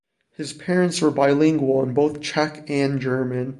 His parents were bilingual in both Czech and German.